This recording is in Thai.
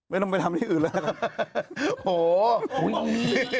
ไม่ต้องไปทำที่อื่นแล้วครับ